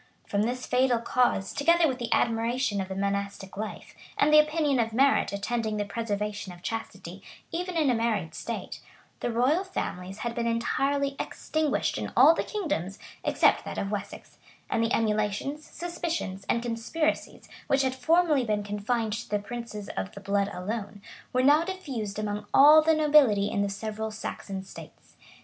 From this fatal cause, together with the admiration of the monastic life, and the opinion of merit attending the preservation of chastity even in a married state, the royal families had been entirely extinguished in all the kingdoms except that of Wessex; and the emulations, suspicions, and conspiracies, which had formerly been confined to the princes of the blood alone, were now diffused among all the nobility in the several Saxon states.